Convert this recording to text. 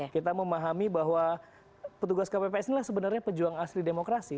kita memahami bahwa petugas kpps inilah sebenarnya pejuang asli demokrasi